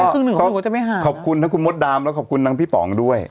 ก็ขอบคุณถ้าคุณมดดำแล้วขอบคุณนางพี่ปองด้วย